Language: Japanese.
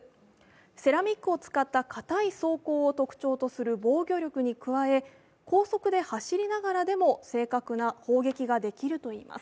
セラミックを使った硬い装甲を特徴とする高い防御力に加え高速で走りながらでも正確な砲撃ができるといいます。